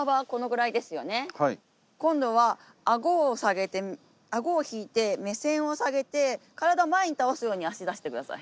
今度は顎を下げて顎を引いて目線を下げて体を前に倒すように足出して下さい。